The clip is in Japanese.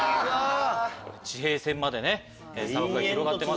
地平線まで砂漠が広がってます。